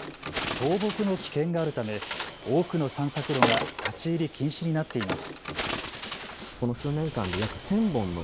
倒木の危険があるため多くの散策路が立ち入り禁止になっています。